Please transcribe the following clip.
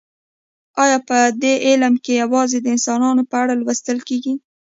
ایا په دې علم کې یوازې د انسانانو په اړه لوستل کیږي